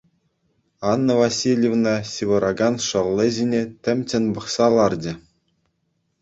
Анна Васильевна ҫывӑракан шӑллӗ ҫине темччен пӑхса ларчӗ.